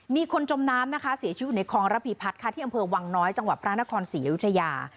มีคนจมน้ำนะคะเสียชีวิตอยู่ในคลองระพีพัฒน์ค่ะที่อำเภอวังน้อยจังหวัดพระนครศรีอยุธยา